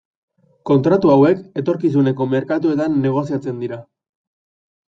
Kontratu hauek etorkizuneko merkatuetan negoziatzen dira.